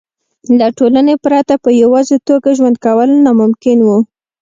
له ټولنې پرته په یوازې توګه ژوند کول ناممکن وو.